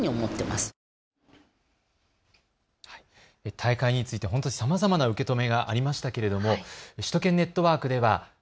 大会についてさまざまな受け止めがありましたけれども首都圏ネットワークでは＃